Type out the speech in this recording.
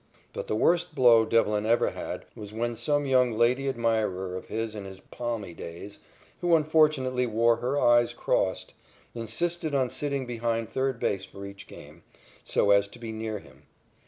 But the worst blow Devlin ever had was when some young lady admirer of his in his palmy days, who unfortunately wore her eyes crossed, insisted on sitting behind third base for each game, so as to be near him.